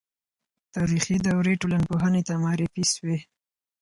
تاریخي دورې ټولنپوهنې ته معرفي سوې.